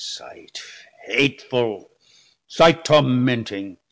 Sight hateful, sight tormenting!